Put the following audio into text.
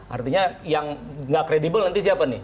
artinya yang nggak kredibel nanti siapa nih